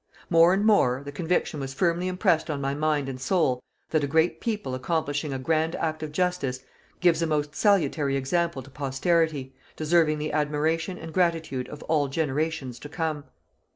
More and more, the conviction was firmly impressed on my mind and soul that a great people accomplishing a grand act of justice gives a most salutary example to posterity deserving the admiration and gratitude of all generations to come.